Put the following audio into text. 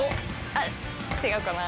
あっ違うかな。